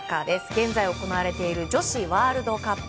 現在行われている女子ワールドカップ。